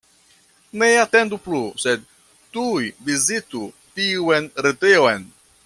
Ne atendu plu, sed tuj vizitu tiun retejon!